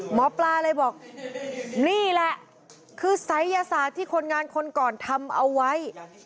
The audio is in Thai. หมอปลาเลยบอกนี่แหละคือศัยยศาสตร์ที่คนงานคนก่อนทำเอาไว้